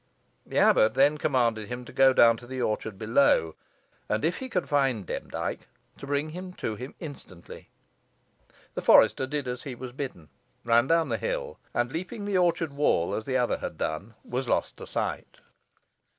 The abbot then commanded him to go down to the orchard below, and if he could find Demdike to bring him to him instantly. The forester did as he was bidden, ran down the hill, and, leaping the orchard wall as the other had done, was lost to sight.